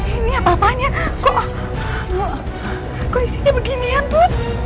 ini apa apanya kok ku isinya beginian bu